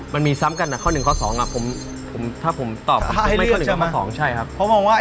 มันมีซ้ำกันนะข้อหนึ่งข้อสองถ้าผมตอบไม่ข้อหนึ่งก็ข้อสองใช่ครับ